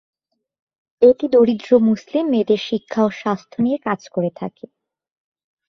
এটি দরিদ্র মুসলিম মেয়েদের শিক্ষা ও স্বাস্থ্য নিয়ে কাজ করে থাকে।